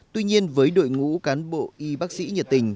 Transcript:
tuy nhiên với đội ngũ cán bộ y bác sĩ nhiệt tình